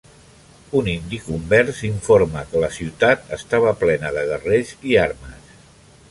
Un indi convers informà que la ciutat estava plena de guerrers i armes.